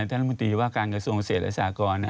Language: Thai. ท่านธุรกิจว่าการกระทรวงเศรษฐ์และสากร